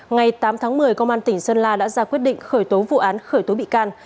ngày tám tháng một mươi công an tỉnh sơn la đã ra quyết định khởi tố vụ án khởi tố bị can